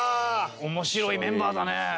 面白いメンバーだね。